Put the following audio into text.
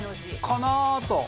かなと。